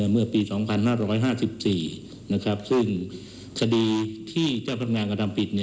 เมื่อปี๒๕๕๔ซึ่งคดีที่เจ้าพนักงานกระทำผิด